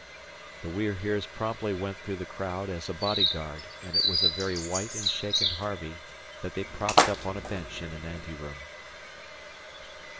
The We're Heres promptly went through the crowd as a body guard, and it was a very white and shaken Harvey that they propped up on a bench in an anteroom.